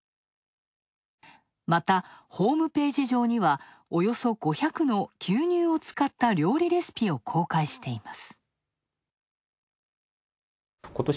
また、ホームページ上では、およそ５００の牛乳を使った料理レシピを公開しています。